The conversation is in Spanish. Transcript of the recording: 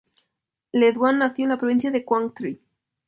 Le Duan nació en la provincia de Quảng Tri.